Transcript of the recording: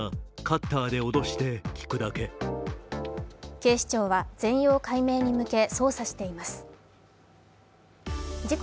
警視庁は全容解明に向け捜査しています。